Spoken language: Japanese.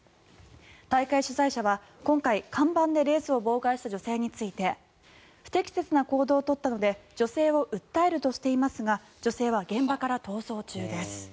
大会主催者は今回、看板でレースを妨害した女性について不適切な行動を取ったので女性を訴えるとしていますが女性は現場から逃走中です。